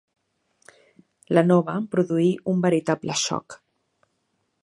La nova em produí un veritable xoc